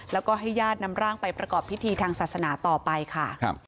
แล้วก็ให้ญาตินำร่างไปประกอบพิธีทางศาสนาต่อไปค่ะ